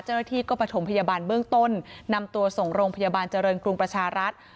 เจ้าหน้าที่ก็ประถมพยาบาลเบื้องต้นนำตัวส่งโรงพยาบาลเจริญกรุงประชารัฐ